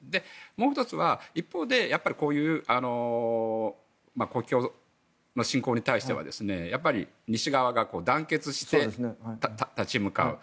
もう１つは一方で国境の侵攻に対して西側が団結して立ち向かう。